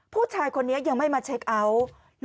ผู้ชายคนนี้ยังไม่มาจัดการ